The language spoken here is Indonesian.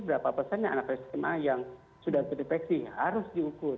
berapa persen anak sma yang sudah terinfeksi harus diukur